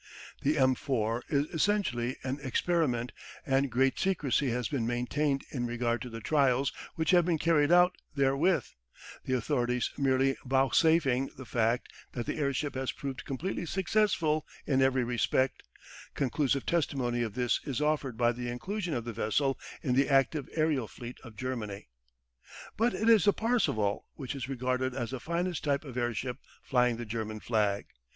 The "M IV" is essentially an experiment and great secrecy has been maintained in regard to the trials which have been carried out therewith, the authorities merely vouchsafing the fact that the airship has proved completely successful in every respect; conclusive testimony of this is offered by the inclusion of the vessel in the active aerial fleet of Germany. But it is the Parseval which is regarded as the finest type of airship flying the German flag.